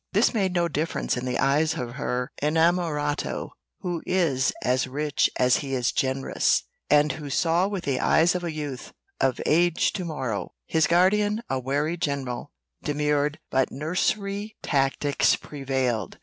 This made no difference in the eyes of her inamorato, who is as rich as he is generous, and who saw with the eyes of a youth 'Of Age to morrow.' His guardian, a wary general, demurred but nursery tactics prevailed.